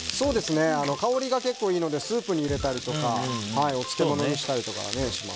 香りが結構いいのでスープに入れたりとかお漬物にしたりします。